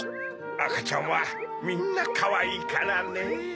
あかちゃんはみんなかわいいからねぇ。